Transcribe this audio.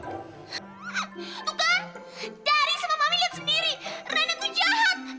tuh kan dari sama mami lihat sendiri reneku jahat